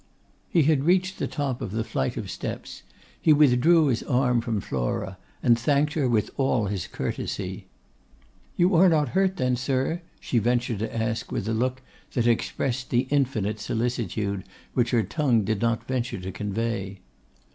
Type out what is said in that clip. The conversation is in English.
He had reached the top of the flight of steps; he withdrew his arm from Flora, and thanked her with all his courtesy. 'You are not hurt, then, sir?' she ventured to ask with a look that expressed the infinite solicitude which her tongue did not venture to convey.